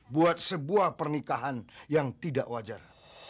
buat sebuah pernikahan yang tidak wajar